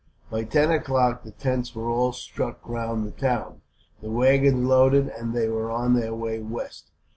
By ten o'clock the tents were all struck round the town, the waggons loaded, and they were on their way west.